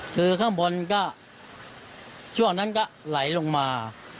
คือข้างบนก็ช่วงนั้นก็ไหลลงมา